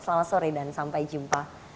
selamat sore dan sampai jumpa